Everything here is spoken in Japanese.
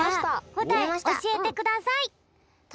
こたえおしえてください。